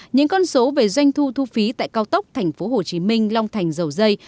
những con số về doanh thu thu phí tại cao tốc tp hcm long thành dầu dây